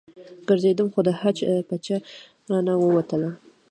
ګرځېدم خو د حج پچه رانه ووتله.